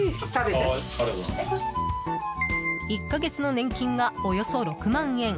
１か月の年金がおよそ６万円。